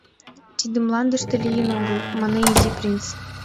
— Тиде Мландыште лийын огыл, — мане Изи принц.